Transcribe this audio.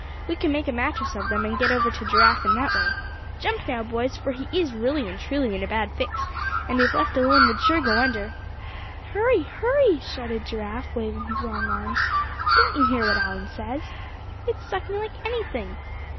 "We can make a mattress of them, and get over to Giraffe in that way. Jump, now, boys, for he is really and truly in a bad fix; and if left alone would sure go under." "Hurry! hurry!" shouted Giraffe, waving his long arms; "don't you hear what Allan says? It's sucking like anything.